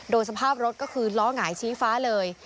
สภาพรถก็คือล้อหงายชี้ฟ้าเลย